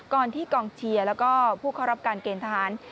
ที่กองเชียร์แล้วก็ผู้เข้ารับการเกณฑ์ทหาร